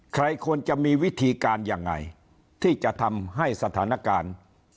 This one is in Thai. ใครควรจะมีวิธีการยังไงที่จะทำให้สถานการณ์